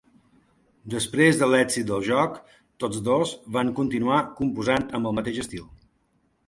Després de l'èxit del joc, tots dos van continuar composant amb el mateix estil.